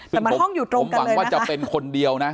แต่มันห้องอยู่ตรงกันเลยนะคะ